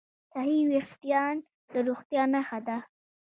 صحي وېښتيان د روغتیا نښه ده.